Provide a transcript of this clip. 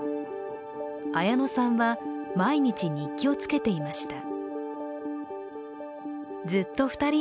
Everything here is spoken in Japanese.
綾乃さんは毎日日記をつけていました。